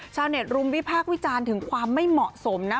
ชาวเน็ตรุมวิพากษ์วิจารณ์ถึงความไม่เหมาะสมนะ